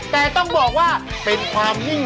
แต่ต้องบอกว่าเป็นความมุ่ง